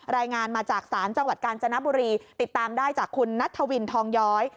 รายงานมาจากศาลจังหวัดกาญจนบุรีติดตามได้จากคุณนัทธวินทองย้อย